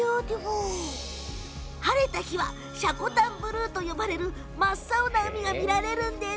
晴れた日は積丹ブルーと呼ばれる真っ青な海が見られるんです。